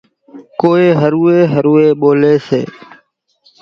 ڪونئين هروين هروين ٻوليَ سي۔